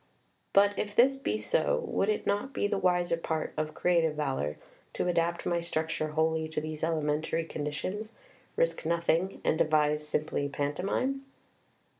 But, if this be so, would it not be the wiser part of creative valor to adapt my structure wholly to these ele mentary conditions, risk nothing, and devise simply panto mime?